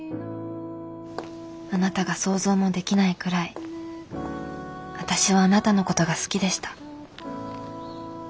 あなたが想像もできないくらい私はあなたのことが好きでした。